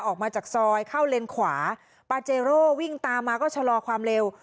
ออกมาจากซอยเข้าเลนขวาปาเจโร่วิ่งตามมาก็ชะลอความเร็ว